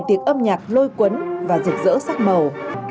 đại tiệc âm nhạc lôi quấn và rực rỡ sắc màu